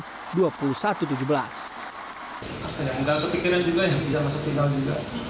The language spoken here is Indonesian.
tidak ada yang tidak berpikiran juga yang bisa masuk final juga